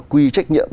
quy trách nhiệm